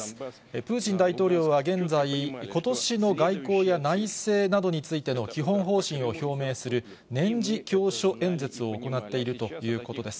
プーチン大統領は現在、ことしの外交や内政などについての基本方針を表明する、年次教書演説を行っているということです。